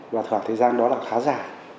và thỏa thời gian đó là khá giả